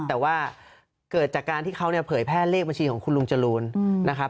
แต่ว่าเกิดจากการที่เขาเนี่ยเผยแพร่เลขบัญชีของคุณลุงจรูนนะครับ